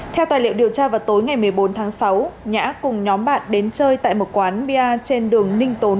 theo tài liệu điều tra vào tối ngày một mươi bốn tháng sáu nhã cùng nhóm bạn đến chơi tại một quán bia trên đường ninh tốn